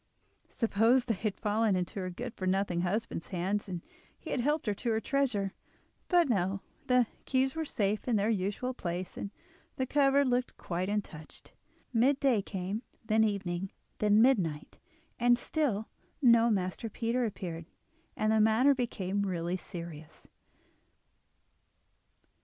Suppose they had fallen into her good for nothing husband's hands and he had helped himself to her treasure! But no, the keys were safe in their usual place, and the cupboard looked quite untouched. Mid day came, then evening, then midnight, and still no Master Peter appeared, and the matter became really serious.